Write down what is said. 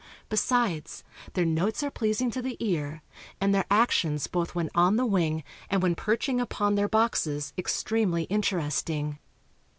Besides, their notes are pleasing to the ear, and their actions both when on the wing and when perching upon their boxes extremely interesting.